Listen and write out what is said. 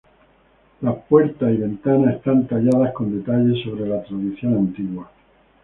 Las puerta y ventana están talladas con detalles sobre la tradición antigua.